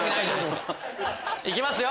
いきますよ！